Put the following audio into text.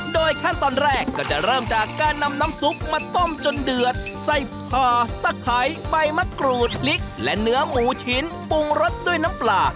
โดยขั้นตอนแรกก็จะเริ่มจากการนำน้ำซุปมาต้มจนเดือดใส่ผ่าตะไครใบมะกรูดพริกและเนื้อหมูชิ้นปรุงรสด้วยน้ำปลา